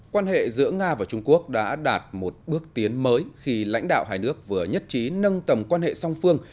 quan hệ giữa nga và trung quốc đã đạt một bước tiến mới khi lãnh đạo hai nước vừa nhất trí nâng tầm quan hệ song phương